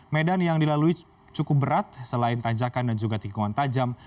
medan yang dilalui cukup berat selain tanjakan dan juga tikungan tajam